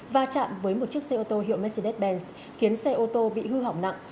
và chạm với một chiếc xe ô tô hiệu mercedes benz khiến xe ô tô bị hư hỏng nặng